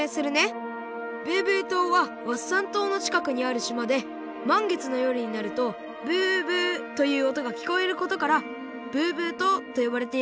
ブーブー島はワッサン島のちかくにあるしまでまんげつのよるになるとブーブーというおとがきこえることからブーブー島とよばれているんだ。